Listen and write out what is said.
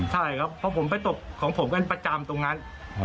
ใช่ครับเพราะผมไปตบของผมกันประจำตรงนั้น